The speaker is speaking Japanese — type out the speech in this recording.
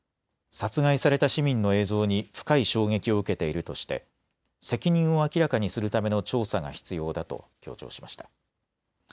殺害された市民の映像に深い衝撃を受けているとして責任を明らかにするための調査が必要だと強調しました。